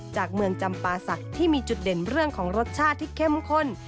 จากเมืองจำปาศักดิ์ที่มีจุดเด่นเรื่องของรสชาติที่เข้มข้น